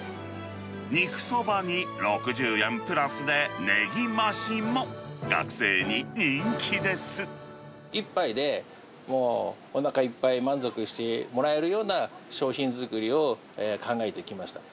肉そばに６０円プラスで、１杯でもうおなかいっぱい、満足してもらえるような商品作りを考えてきました。